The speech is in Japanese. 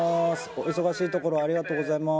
お忙しいところありがとうございます